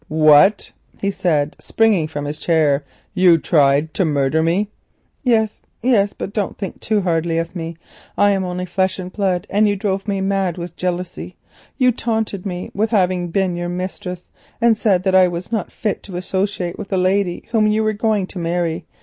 _" "What!" he said, springing from his chair; "you tried to murder me?" "Yes, yes; but don't think too hardly of me. I am only flesh and blood, and you drove me wild with jealousy—you taunted me with having been your mistress and said that I was not fit to associate with the lady whom you were going to marry.